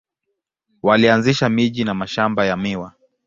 Walianzisha miji na mashamba ya miwa.